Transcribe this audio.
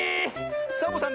サボさん